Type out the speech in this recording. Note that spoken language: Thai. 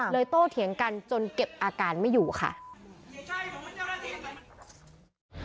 โตเถียงกันจนเก็บอาการไม่อยู่ค่ะ